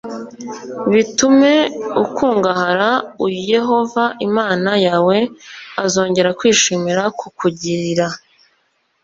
bitume ukungahara u yehova imana yawe azongera kwishimira kukugirira